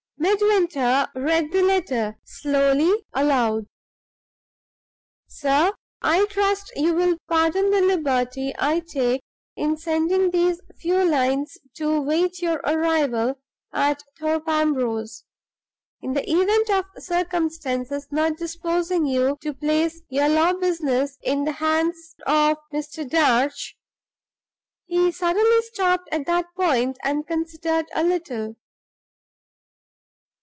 Midwinter read the letter, slowly, aloud. "Sir I trust you will pardon the liberty I take in sending these few lines to wait your arrival at Thorpe Ambrose. In the event of circumstances not disposing you to place your law business in the hands of Mr. Darch " He suddenly stopped at that point, and considered a little.